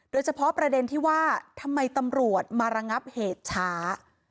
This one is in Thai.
โดยเฉพาะประเด็นที่ว่าทำไมตำรวจมาระงับเหตุช้า